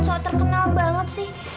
sok terkenal banget sih